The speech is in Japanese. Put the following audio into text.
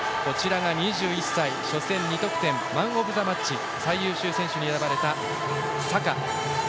２１歳、初戦で２得点マン・オブ・ザ・マッチ最優秀選手に選ばれたサカ。